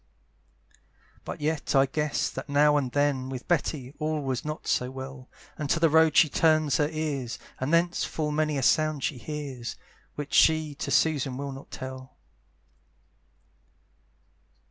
But yet I guess that now and then With Betty all was not so well, And to the road she turns her ears, And thence full many a sound she hears, Which she to Susan will not tell.